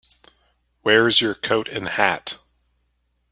Where's your coat and hat?